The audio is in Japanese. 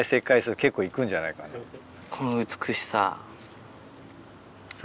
この美しさ。